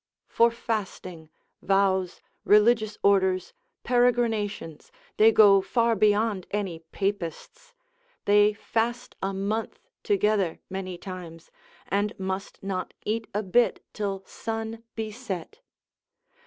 For fasting, vows, religious orders, peregrinations, they go far beyond any papists, they fast a month together many times, and must not eat a bit till sun be set.